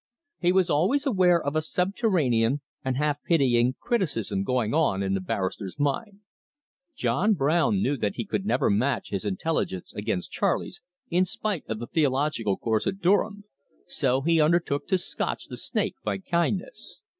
He was always aware of a subterranean and half pitying criticism going on in the barrister's mind. John Brown knew that he could never match his intelligence against Charley's, in spite of the theological course at Durham, so he undertook to scotch the snake by kindness.